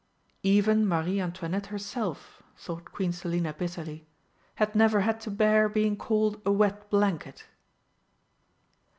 Even Marie Antoinette herself, thought Queen Selina bitterly, had never had to bear being called a wet blanket!